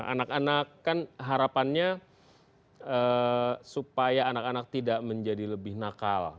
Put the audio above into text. anak anak kan harapannya supaya anak anak tidak menjadi lebih nakal